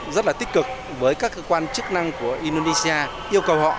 rất là tích cực với các cơ quan chức năng của indonesia yêu cầu họ